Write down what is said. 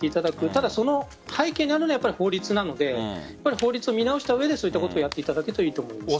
ただ、その背景にあるのは法律なので法律を見直した上でそういったことをやっていただくと良いと思います。